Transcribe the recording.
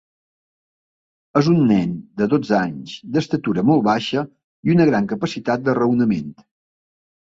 És un nen de dotze anys, d'estatura molt baixa i una gran capacitat de raonament.